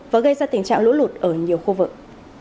và gây ra tình trạng lũ lụt ở nhiều khu vực